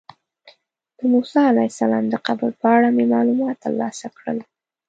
د موسی علیه السلام د قبر په اړه مې معلومات ترلاسه کړل.